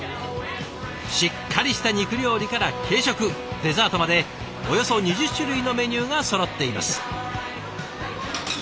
しっかりした肉料理から軽食デザートまでおよそ２０種類のメニューがそろっています。